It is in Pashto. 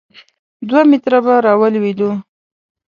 دوه متره به را ولوېدو.